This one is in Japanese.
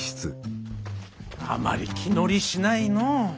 あまり気乗りしないのう。